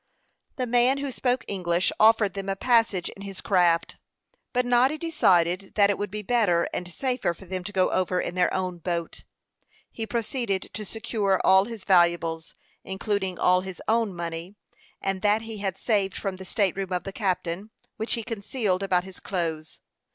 The man who spoke English offered them a passage in his craft; but Noddy decided that it would be better and safer for them to go over in their own boat. He proceeded to secure all his valuables, including all his own money and that he had saved from the state room of the captain, which he concealed about his clothes.